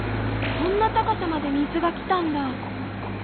こんな高さまで水がきたんだ。